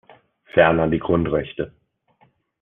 Ferner die Grundrechte.